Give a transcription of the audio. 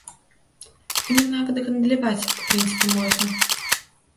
Імі нават гандляваць, у прынцыпе, можна.